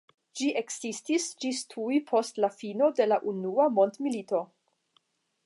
Ĝi ekzistis ĝis tuj post la fino de la Unua Mondmilito.